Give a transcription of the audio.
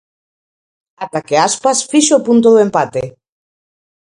Ata que Aspas fixo o punto do empate.